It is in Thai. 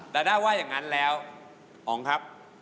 แต่ถ้าว่าอย่างนั้นแล้วอ๋องครับ